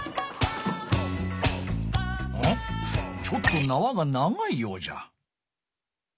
ちょっとなわが長いようじゃ。